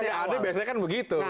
tapi kan ya adek biasanya kan begitu